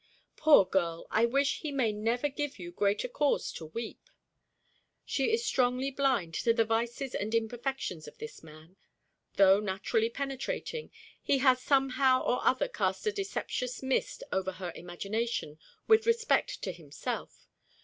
Poor girl, I wish he may never give you greater cause to weep! She is strongly blind to the vices and imperfections of this man. Though naturally penetrating, he has somehow or other cast a deceptious mist over her imagination with respect to himself.